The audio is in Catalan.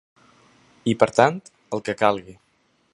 I per tant, el que calgui.